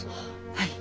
はい。